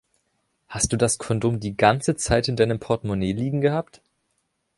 Hast du das Kondom die ganze Zeit in deinem Portemonnaie liegen gehabt?